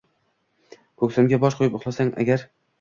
Ko’ksimga bosh qo’yib uxlasang agar